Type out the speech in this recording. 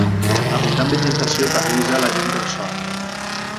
L'abundant vegetació tamisa la llum del sol.